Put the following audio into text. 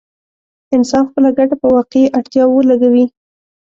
انسان خپله ګټه په واقعي اړتياوو ولګوي.